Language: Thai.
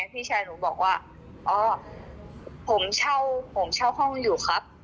พี่ชายหนูบอกว่าอ๋อผมเช่าผมเช่าห้องอยู่ครับ